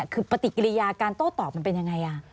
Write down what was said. คือปฏิกิริยาการโต้ตอบมันเป็นยังไง